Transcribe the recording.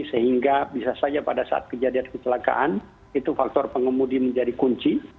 sehingga bisa saja pada saat kejadian kecelakaan itu faktor pengemudi menjadi kunci